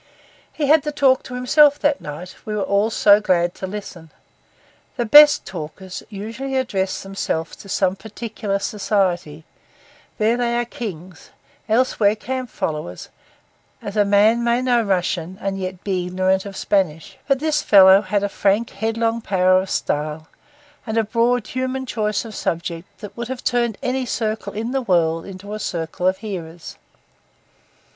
He had the talk to himself that night, we were all so glad to listen. The best talkers usually address themselves to some particular society; there they are kings, elsewhere camp followers, as a man may know Russian and yet be ignorant of Spanish; but this fellow had a frank, headlong power of style, and a broad, human choice of subject, that would have turned any circle in the world into a circle of hearers.